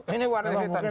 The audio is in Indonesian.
ini warna setan